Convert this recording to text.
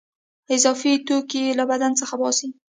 اضافي توکي له بدن څخه باسي.